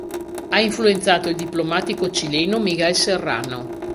Ha influenzato il diplomatico cileno Miguel Serrano.